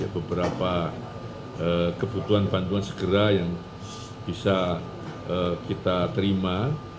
beberapa kebutuhan bantuan segera yang bisa kita terima